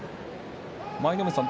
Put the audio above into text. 舞の海さん